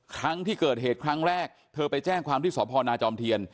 ครั้งที่เกิดเหตุครั้งแรกเธอไปแจ้งความที่สพนาจอมเทียน